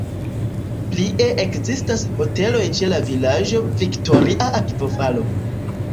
Plie ekzistas hoteloj ĉe la vilaĝo "Viktoria Akvofalo".